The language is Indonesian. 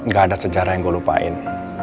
gak ada sejarah yang gue lupain